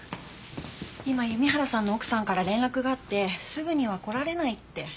今弓原さんの奥さんから連絡があってすぐには来られないって。